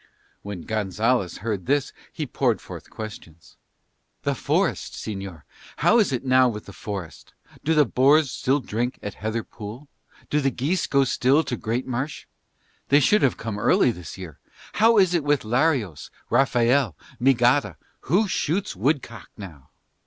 When Gonzalez heard this he poured forth questions. "The forest, señor; how is it now with the forest? Do the boars still drink at Heather Pool? Do the geese go still to Greatmarsh? They should have come early this year. How is it with Larios, Raphael, Migada? Who shoots woodcock now?"